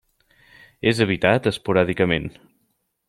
És habitat esporàdicament.